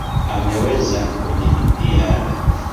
Ameweza kujilipia ada